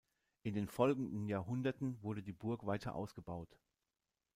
In den folgenden Jahrhunderten wurde die Burg weiter ausgebaut.